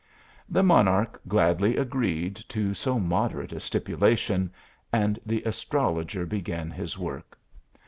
The monarch gladly agreed to so moderate a stip ulation, and the astrologer began his work.